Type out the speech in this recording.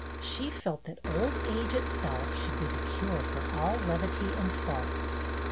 She felt that old age itself should be the cure for all levity and faults.